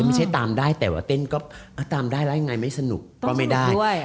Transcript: ไม่ใช่ตามได้แต่ว่าเต้นก็ตามได้แล้วยังไงไม่สนุกก็ไม่ได้